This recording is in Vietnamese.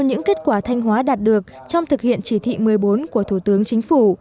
những kết quả thanh hóa đạt được trong thực hiện chỉ thị một mươi bốn của thủ tướng chính phủ